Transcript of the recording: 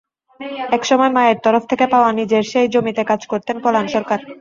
একসময় মায়ের তরফ থেকে পাওয়া নিজের সেই জমিতে কাজ করতেন পলান সরকার।